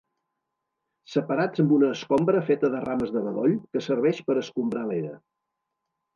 Separats amb una escombra feta de rames de bedoll que serveix per escombrar l'era.